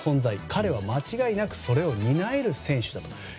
彼は間違いなくそれを担える選手だと。